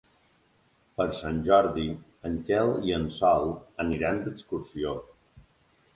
Per Sant Jordi en Quel i en Sol aniran d'excursió.